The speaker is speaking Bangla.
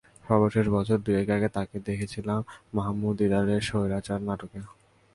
সর্বশেষ বছর দুয়েক আগে তাঁকে দেখা গিয়েছিল মাহমুদ দিদারের স্বৈরাচার নাটকে।